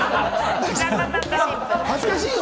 恥ずかしいよ！